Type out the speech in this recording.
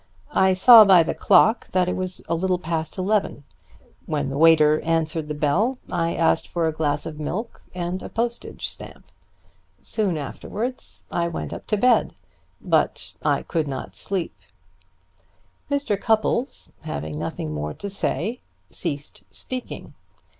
I saw by the clock that it was a little past eleven. When the waiter answered the bell I asked for a glass of milk and a postage stamp. Soon afterwards I went up to bed. But I could not sleep." Mr. Cupples, having nothing more to say, ceased speaking.